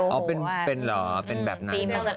โบโหอ่ะเป็นเหรอเป็นแบบนั้นหรอ